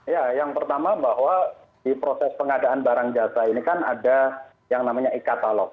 ya yang pertama bahwa di proses pengadaan barang jasa ini kan ada yang namanya e katalog